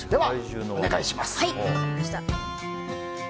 お願いします。